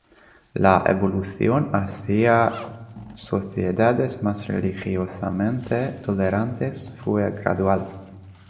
La evolución hacia sociedades más religiosamente tolerantes fue gradual.